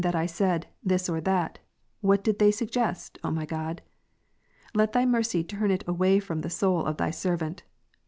that I said, " this or that," what did they suggest, O my God ? Let Thy mercy turn it away from the soul of Thy servant.